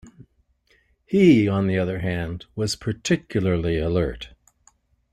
He, on the other hand, was particularly alert.